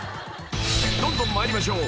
［どんどん参りましょう。